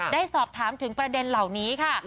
ได้สอบถามถึงประเด็นเหล่านี้ค่ะ